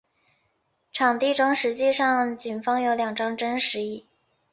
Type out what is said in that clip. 场地中实际上仅放有两张真实椅。